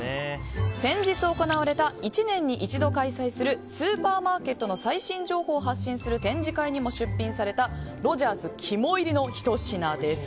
先日行われた１年に一度開催するスーパーマーケットの最新情報を発信する展示会にも出品されたロヂャース肝煎りのひと品です。